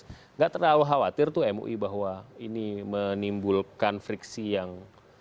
tidak terlalu khawatir tuh mui bahwa ini menimbulkan friksi yang